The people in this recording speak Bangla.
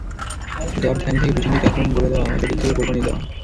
যাঁর ধ্যানই থাকে পেছন থেকে আক্রমণ গড়ে দেওয়া, সতীর্থকে গোল বানিয়ে দেওয়া।